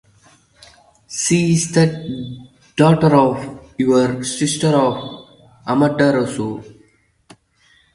She is the daughter or younger sister of Amaterasu.